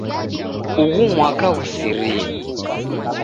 Ughu mwaka ghusirie.